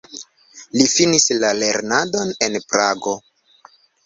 Li finis la lernadon en Prago.